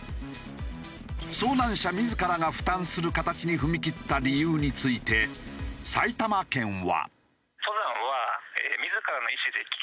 遭難者自らが負担する形に踏み切った理由について埼玉県は。